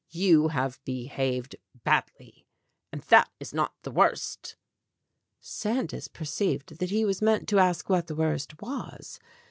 You have behaved badly. And that is not the worst !" Sandys perceived that he was meant to ask what the worst was.